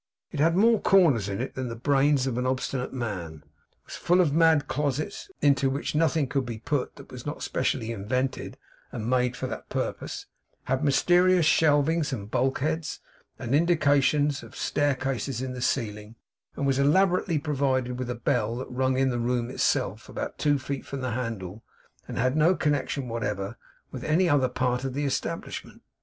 It had more corners in it than the brain of an obstinate man; was full of mad closets, into which nothing could be put that was not specially invented and made for that purpose; had mysterious shelvings and bulkheads, and indications of staircases in the ceiling; and was elaborately provided with a bell that rung in the room itself, about two feet from the handle, and had no connection whatever with any other part of the establishment.